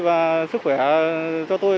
và sức khỏe cho tôi